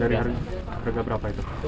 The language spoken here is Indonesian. dari harga berapa itu